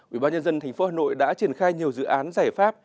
ubnd tp hà nội đã triển khai nhiều dự án giải pháp